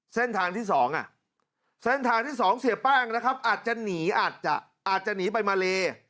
เส้นทางที่สองเส้นทางที่สองเสียป้างนะครับอาจจะหนีไปมาเล